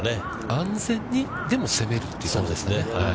安全に、でも、攻めるという感じですね。